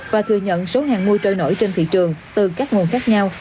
và thừa nhận số hàng môi trôi nổi trên thị trường từ các nguồn khác nhau